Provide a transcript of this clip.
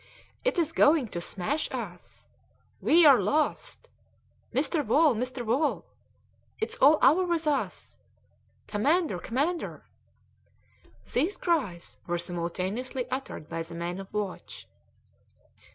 "It is going to smash us!" "We are lost!" "Mr. Wall! Mr. Wall!" "It's all over with us!" "Commander! Commander!" These cries were simultaneously uttered by the men on watch.